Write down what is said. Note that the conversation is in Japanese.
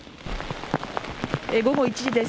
午後１時です。